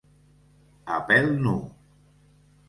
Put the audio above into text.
A pèl nu.